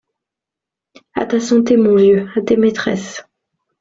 À ta santé, mon vieux !… à tes maîtresses !…